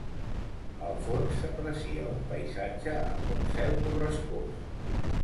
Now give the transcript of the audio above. Al fons, s'aprecia un paisatge amb un cel borrascós.